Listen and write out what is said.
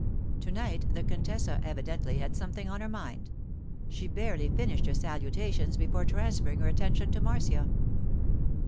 To night the contessa evidently had something on her mind. She barely finished her salutations before transferring her attention to Marcia.